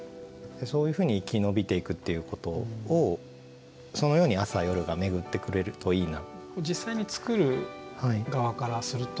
そういうふうにいきのびていくっていうことをそのように朝夜が巡ってくれるといいな。